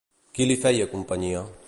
Qui li feia companyia?